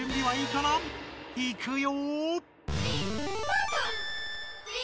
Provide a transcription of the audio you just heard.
いくよ！